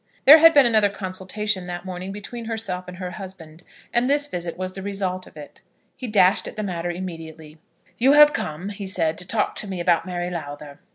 There had been another consultation that morning between herself and her husband, and this visit was the result of it. He dashed at the matter immediately. "You have come," he said, "to talk to me about Mary Lowther."